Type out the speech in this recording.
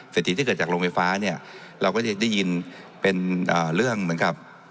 ถีที่เกิดจากโรงไฟฟ้าเนี่ยเราก็จะได้ยินเป็นเรื่องเหมือนกับ